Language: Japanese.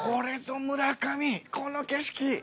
この景色！